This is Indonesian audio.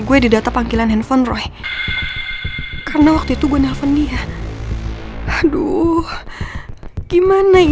gue didata panggilan handphone roy karena waktu itu gue nelfon dia aduh gimana ya